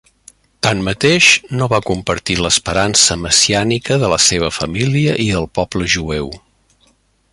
Tanmateix, no va compartir l'esperança messiànica de la seva família i del poble jueu.